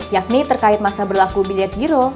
yakni terkait masa berlaku bilet giro